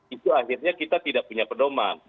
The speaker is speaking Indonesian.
itu akhirnya kita tidak punya pedoman